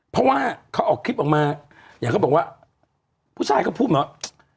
เพราะว่าเขาออกคลิปออกมาอย่างเขาบอกว่าผู้ชายเขาพูดมาว่า